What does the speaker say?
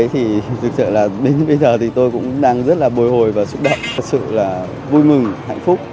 thì thực sự là đến bây giờ thì tôi cũng đang rất là bồi hồi và xúc động thật sự là vui mừng hạnh phúc